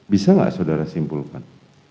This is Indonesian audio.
bisa gak saudara simpulkan